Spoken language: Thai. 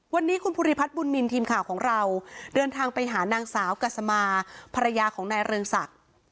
วันนี้คุณภูริพัฒน์บุญนินทีมข่าวของเราเดินทางไปหานางสาวกัสมาภรรยาของนายเรืองศักดิ์